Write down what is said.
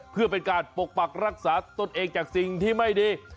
เพื่อเป็นการปกปักรักษาตนเองจากสิ่งที่ไม่ดี